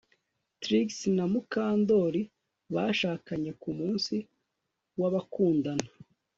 Trix na Mukandoli bashakanye ku munsi wabakundana